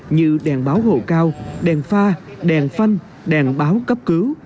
như đèn báo hộ cao đèn pha đèn phanh đèn báo cấp cứu